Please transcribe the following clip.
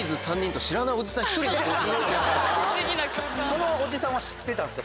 そのおじさんは知ってたんすか？